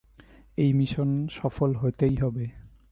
এই মিশনে সফল হতেই হবে।